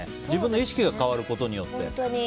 自分の意識が変わることによって。